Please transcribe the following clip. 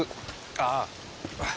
ああ！